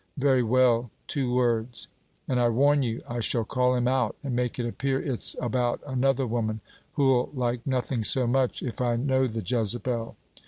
Very well, two words. And I warn you, I shall call him out, and make it appear it 's about another woman, who'll like nothing so much, if I know the Jezebel.